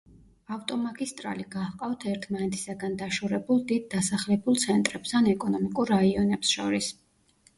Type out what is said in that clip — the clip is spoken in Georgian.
ავტომაგისტრალი გაჰყავთ ერთმანეთისაგან დაშორებულ დიდ დასახლებულ ცენტრებს ან ეკონომიკურ რაიონებს შორის.